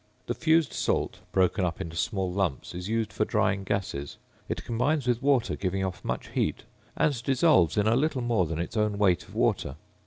The fused salt, broken into small lumps, is used for drying gases. It combines with water, giving off much heat; and dissolves in a little more than its own weight of water.